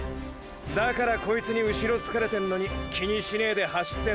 だからこいつに後ろつかれてんのに気にしねェで走ってんだろ。